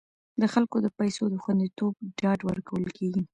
د خلکو د پیسو د خوندیتوب ډاډ ورکول کیږي.